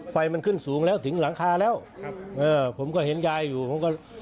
ไฟมันขึ้นสูงแล้วถึงหลังคาแล้วครับเออผมก็เห็นยายอยู่ผมก็